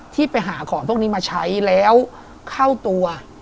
ที่ไปหาของพวกนี้มาใช้แล้วเข้าตัว